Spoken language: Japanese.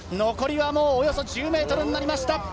残りはもうおよそ１０メートルになりました。